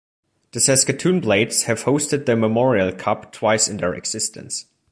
The Saskatoon Blades have hosted the Memorial Cup twice in their existence.